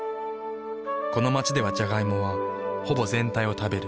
この街ではジャガイモはほぼ全体を食べる。